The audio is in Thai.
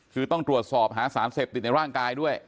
คือต้องตรวจสอบหาสารเสพติดในร่างกายด้วย